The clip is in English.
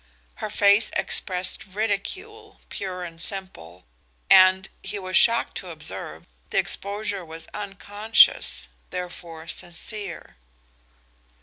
Her face expressed ridicule, pure and simple, and, he was shocked to observe, the exposure was unconscious, therefore sincere.